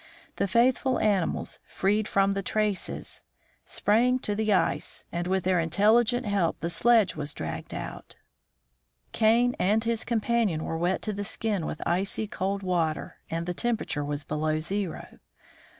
The faithful animals, freed from the traces, sprang to the ice, and with their intelligent help the sledge was dragged out. WINTER IN RENSSELAER HARBOR 39 Kane and his companion were wet to the skin with icy cold water, and the temperature was below zero.